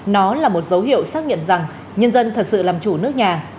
nó là một dấu hiệu xác nhận rằng nhân dân thật sự làm chủ nước nhà